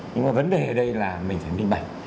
nhưng mà vấn đề ở đây là mình phải minh bạch